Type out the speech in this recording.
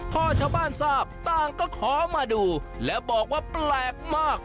พอชาวบ้านทราบต่างก็ขอมาดูและบอกว่าแปลกมาก